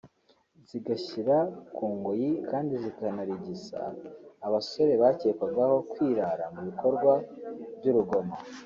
zigashyira ku ngoyi kandi zikanarigisa abasore bakekwagaho kwirara mu bikorwa by’urugomo